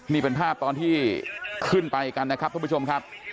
นี่เป็นภาพตอนที่ขึ้นไปกันนะครับทุกผู้ชมครับ